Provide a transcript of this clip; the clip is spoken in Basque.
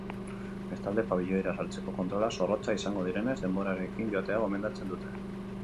Bestalde, pabiloira sartzeko kontrolak zorrotzak izango direnez, denborarekin joatea gomendatzen dute.